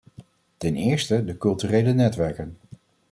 Ten eerste de culturele netwerken.